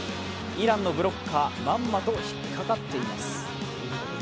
イランのブロッカーはまんまと引っ掛かっています。